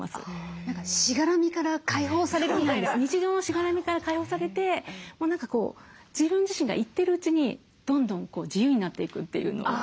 日常のしがらみから解放されてもう何か自分自身が行ってるうちにどんどん自由になっていくというのを。